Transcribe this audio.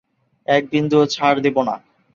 এক বিন্দুও ছাড় দেব না।